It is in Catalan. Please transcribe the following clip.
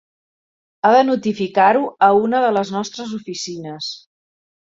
Ha de notificar-ho a una de les nostres oficines.